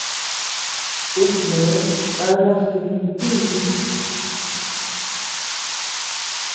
Yuchme ama jidi ntiñu.